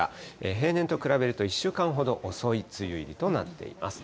平年と比べると１週間ほど遅い梅雨入りとなっています。